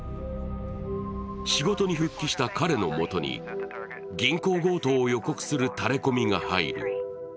仕事に復帰した彼のもとに銀行強盗を予告するタレコミが入る。